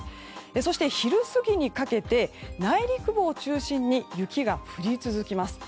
そして、昼過ぎにかけて内陸部を中心に雪が降り続きます。